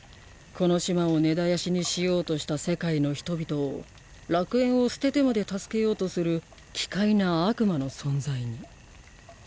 この島を根絶やしにしようとした世界の人々を楽園を捨ててまで助けようとする奇怪な悪魔の存在に。